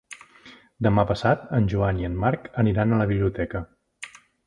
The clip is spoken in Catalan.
Demà passat en Joan i en Marc aniran a la biblioteca.